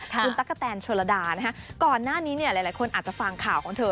คุณตั๊กกะแตนโชลดานะฮะก่อนหน้านี้เนี่ยหลายคนอาจจะฟังข่าวของเธอ